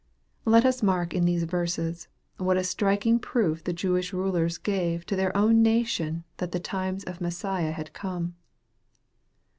Let us mark in these verses, what a striking proof the Jewish rulers gave to their own nation that the times of Messiah had come.